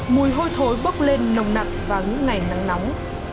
mùi hôi thối bốc lên nồng nặng vào những ngày nắng nóng